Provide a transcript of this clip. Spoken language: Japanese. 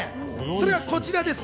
それがこちらです。